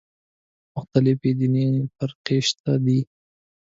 مختلفې دیني فرقې شته دي.